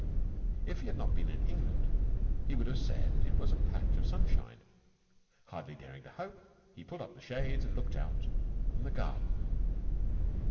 If he had not been in England, he would have said it was a patch of sunshine. Hardly daring to hope, he pulled up the shades and looked out on the garden.